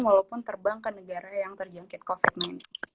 walaupun terbang ke negara yang terjangkit covid nya